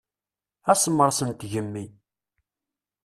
Asemres n tgemmi.